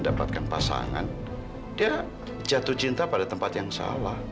ya papa sih tidak memaksa